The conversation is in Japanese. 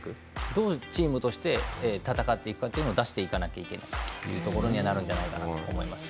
どうチームとして戦っていくかというのを出していかなければいけないとというところになるんじゃないかなと思います。